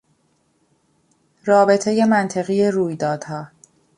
رابطهی منطقی رویدادها